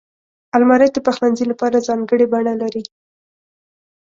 الماري د پخلنځي لپاره ځانګړې بڼه لري